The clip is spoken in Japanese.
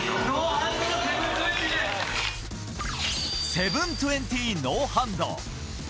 ７２０ノーハンド。